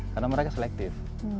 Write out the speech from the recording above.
karena mereka selektif